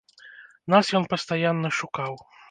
Нас ён пастаянна шукаў.